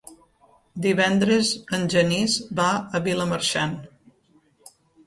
Divendres en Genís va a Vilamarxant.